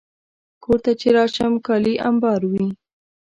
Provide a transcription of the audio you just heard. کور ته چې راشم، کالي امبار وي.